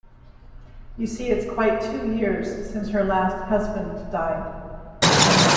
You see, it's quite two years since her last husband died.